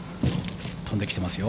飛んできてますよ。